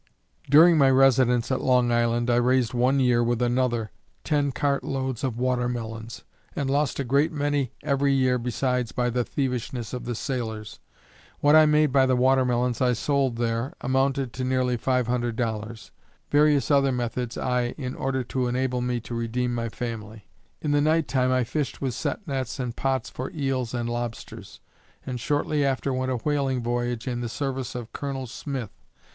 During my residence at Long Island, I raised one year with another, ten cart loads of water melons, and lost a great many every year besides by the thievishness of the sailors. What I made by the water melons I sold there, amounted to nearly five hundred dollars. Various other methods I in order to enable me to redeem my family. In the night time I fished with set nets and pots for eels and lobsters, and shortly after went a whaling voyage in the service of Col. Smith.